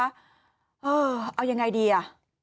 เออเอายังไงดีอ่ะ